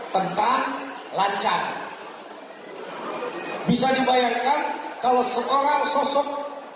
tentang lancar bisa dibayangkan kalau seorang sosok